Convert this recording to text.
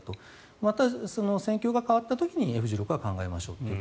また、戦況が変わった時にＦ１６は考えましょうと。